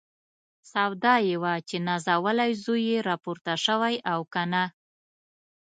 سودا یې وه چې نازولی زوی یې راپورته شوی او که نه.